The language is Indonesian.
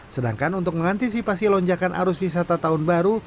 sedangkan untuk mengantisipasi lonjakan arus wisata tahun baru